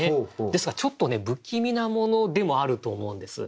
ですがちょっとね不気味なものでもあると思うんです。